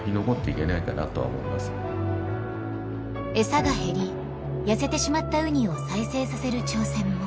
餌が減り痩せてしまったウニを再生させる挑戦も。